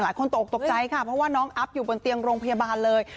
ตกตกใจค่ะเพราะว่าน้องอัพอยู่บนเตียงโรงพยาบาลเลย